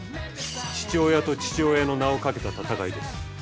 父親と父親の名をかけた戦いです。